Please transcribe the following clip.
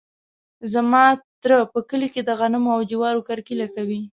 زما تره په کلي کې د غنمو او جوارو کرکیله کوي.